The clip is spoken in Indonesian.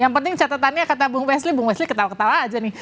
yang penting catatannya kata bung wesley bung wesley ketawa ketawa aja nih